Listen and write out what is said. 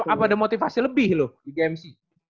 apa ada motivasi lebih loh di gmc